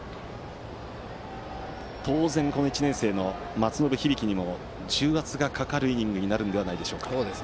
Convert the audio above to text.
当然、１年生の松延響にも重圧がかかるイニングになるのではないでしょうか。